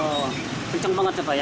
oh kencang banget itu pak ya